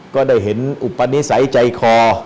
ก็ได้เห็นอุปนิสัยใจคอ